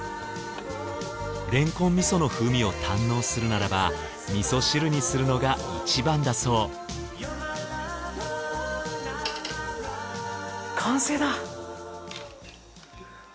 れんこん味噌の風味を堪能するならば味噌汁にするのが一番だそう完成だ！